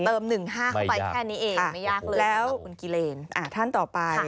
เติม๑๕เข้าไปแค่นี้เองไม่ยากเลยสำหรับคุณกิเลน